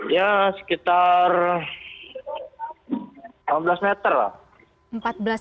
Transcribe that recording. ya sekitar enam belas meter lah